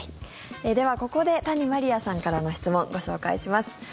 では、ここで谷まりあさんからの質問をご紹介します。